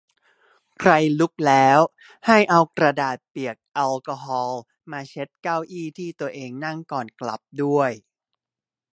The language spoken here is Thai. ใครลุกแล้ว ให้เอากระดาษเปียกแอลกอฮอล์ มาเช็ดเก้าอี้ที่ตัวเองนั่งก่อนกลับด้วย